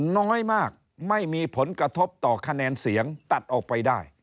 น้อยมากไม่มีผลกระทบต่อคะแนนเสียงตัดออกไปได้